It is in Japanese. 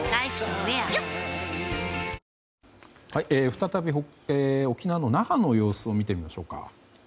再び沖縄の那覇の様子を見てみましょうか。